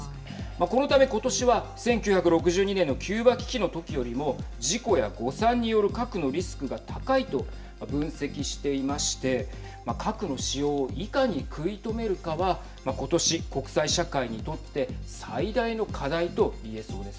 このため今年は１９６２年のキューバ危機の時よりも事故や誤算による核のリスクが高いと分析していまして核の使用をいかに食い止めるかは今年、国際社会にとって最大の課題と言えそうです。